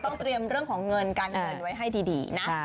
ต้องเตรียมเรื่องของเงินการเงินไว้ให้ดีนะ